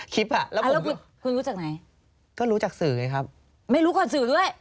คลิปอ่ะแล้วคุณรู้จักไหนก็รู้จากสื่อไงครับไม่รู้ก่อนสื่อด้วย